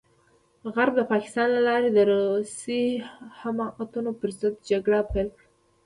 غرب د پاکستان له لارې د روسي حماقتونو پرضد جګړه پيل کړه.